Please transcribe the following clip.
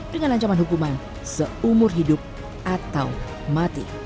dengan ancaman hukuman seumur hidup atau mati